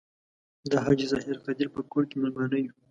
د حاجي ظاهر قدیر په کور کې میلمانه یو.